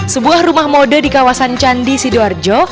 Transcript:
sebuah rumah mode di kawasan candi sidoarjo